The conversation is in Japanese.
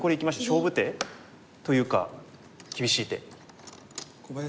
勝負手というか厳しい手。